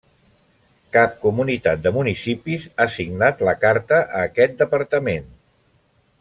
Cap comunitat de municipis ha signat la carta a aquest departament.